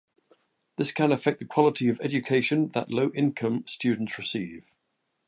This can affect the quality of education that low-income students receive.